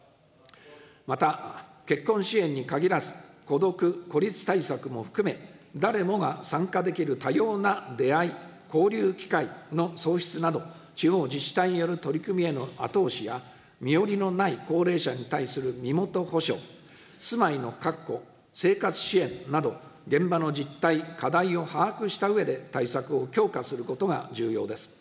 また、結婚支援に限らず、孤独、孤立対策も含め、誰もが参加できる多様な出会い、交流機会の創出など、地方自治体による取り組みへの後押しや、身寄りのない高齢者に対する身元保証、住まいの確保、生活支援など現場の実態、課題を把握したうえで対策を強化することが重要です。